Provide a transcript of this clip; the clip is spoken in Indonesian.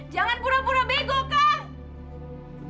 jangan pura pura bego kang